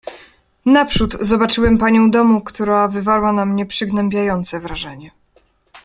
"Naprzód zobaczyłem panią domu, która wywarła na mnie przygnębiające wrażenie."